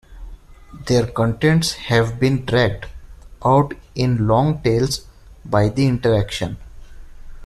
Their contents have been dragged out in long tails by the interaction.